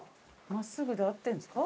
真っすぐで合ってるんですか？